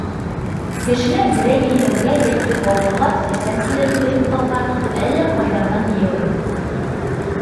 Кешеләр берәй йәйләүгә йәки ауылға сәсән килерен белеп ҡалһа, әллә ҡайҙарҙан йыйылыр булған.